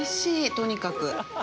とにかく。